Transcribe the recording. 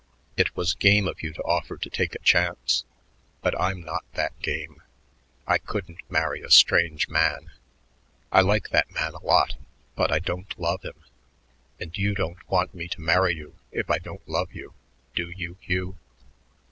It was game of you to offer to take a chance, but I'm not that game. I couldn't marry a strange man. I like that man a lot, but I don't love him and you don't want me to marry you if I don't love you, do you, Hugh?"